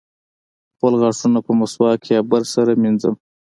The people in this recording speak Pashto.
خپل غاښونه په مسواک یا برس سره مینځم.